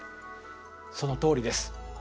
そのとおりです。